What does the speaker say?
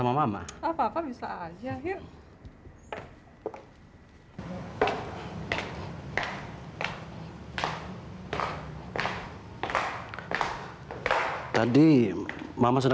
rumah aja belum ada